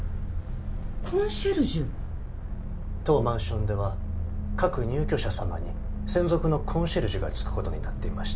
当マンションでは各入居者さまに専属のコンシェルジュが付くことになっていまして。